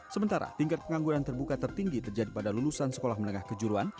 sementara tingkat pengangguran terbuka tertinggi terjadi pada lulusan sekolah menengah kejuruan